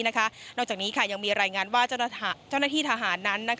นอกจากนี้ยังมีรายงานว่าเจ้าหน้าที่ทหารนั้น